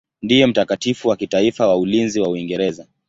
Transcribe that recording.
Ndiye mtakatifu wa kitaifa wa ulinzi wa Uingereza.